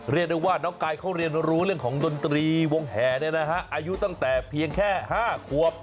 เรียกได้ว่าน้องกายเขาเรียนรู้เรื่องของดนตรีวงแห่อายุตั้งแต่เพียงแค่๕ขวบ